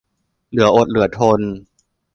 เหลืออดเหลือทน